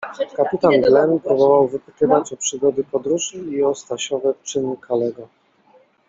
Kapitan Glen próbował wypytywać o przygody podróży i o Stasiowe czyny Kalego.